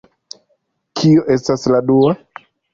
Kio estas la dua?